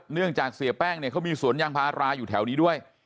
เนื่องจากเสียแป้งเนี่ยเขามีสวนยางพาราอยู่แถวนี้ด้วย